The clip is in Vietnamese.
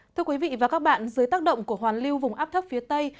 thưa quý vị và các bạn dưới tác động của hoàn lưu vùng áp thấp phía tây